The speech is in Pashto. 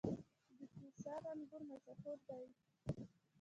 د قیصار انګور مشهور دي